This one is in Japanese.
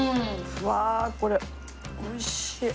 うわこれ美味しい。